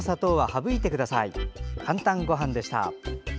「かんたんごはん」でした。